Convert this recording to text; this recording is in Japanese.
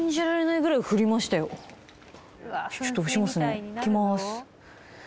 いきまーす。